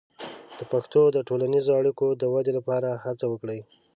د پښتو د ټولنیزې اړیکو د ودې لپاره هڅه وکړئ.